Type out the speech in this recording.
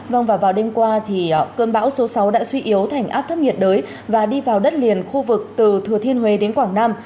vâng và vào đêm qua thì cơn bão số sáu đã suy yếu thành áp thấp nhiệt đới và đi vào đất liền khu vực từ thừa thiên huế đến quảng nam